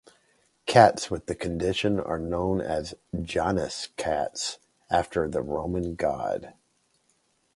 Cats with the condition are known as 'Janus cats', after the Roman god.